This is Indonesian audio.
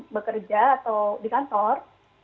bekerja atau di kantor